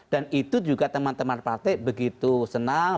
dan itu juga teman teman partai begitu senang